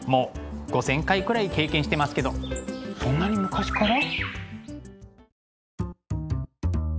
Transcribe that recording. そんなに昔から？